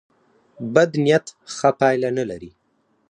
بد نیت ښه پایله نه لري.